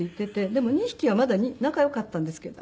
でも２匹はまだ仲良かったんですけど。